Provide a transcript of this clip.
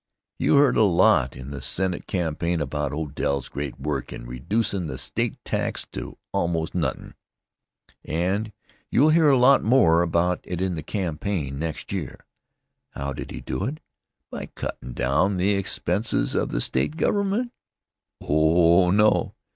You heard a lot in the State campaign about Odell's great work in reducin' the State tax to almost nothin', and you'll hear a lot more about it in the campaign next year. How did he do it? By cuttin' down the expenses of the State Government? Oh, no!